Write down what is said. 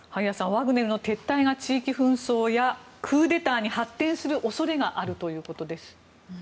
ワグネルの撤退が地域紛争やクーデターに発展する恐れがあるということです。